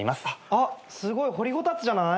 あっすごい掘りごたつじゃない？